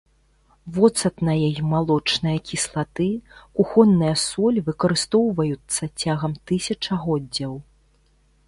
Воцатная і малочная кіслаты, кухонная соль выкарыстоўваюцца цягам тысячагоддзяў.